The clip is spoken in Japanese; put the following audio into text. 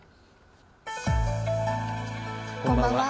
こんばんは。